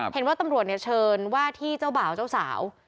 เห็นว่าตำรวจเชิญว่าที่เจ้าบ่าวเจ้าสาว